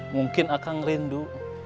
mungkin akan rindu